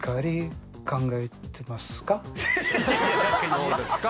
どうですか？